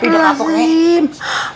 udah nek ya